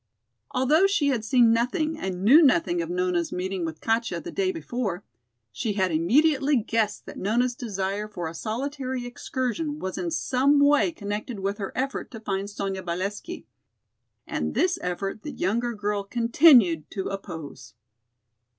Although she had seen nothing and knew nothing of Nona's meeting with Katja the day before, she had immediately guessed that Nona's desire for a solitary excursion was in some way connected with her effort to find Sonya Valesky. And this effort the younger girl continued to oppose.